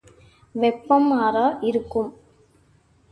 வெப்பம் மாறா இறுக்கம்.